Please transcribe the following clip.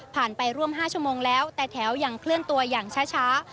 ไปร่วม๕ชั่วโมงแล้วแต่แถวยังเคลื่อนตัวอย่างช้า